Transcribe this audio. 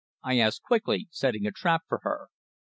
I asked quickly, setting a trap for her.